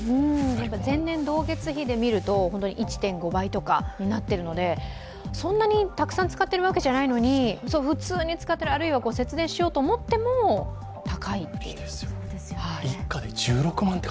前年同月比で見ると１．５倍とかになっているのでそんなにたくさん使っているわけじゃないのに、普通に使ってる、あるいは節電しようと思っても高いという。